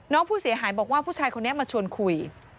น้องผู้เสียหายบอกว่าผู้ชายคนนี้มาชวนคุย